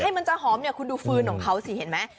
มันจะหอมเนี่ยคุณดูฟืนของเขาสิเห็นไหม